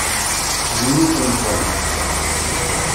Yennudem Tom.